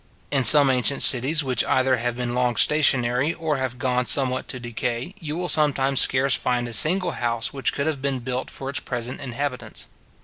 In some ancient cities, which either have been long stationary, or have gone somewhat to decay, you will sometimes scarce find a single house which could have been built for its present inhabitants.